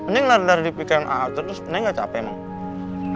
neng lari lari dipikiran a terus neng gak capek emang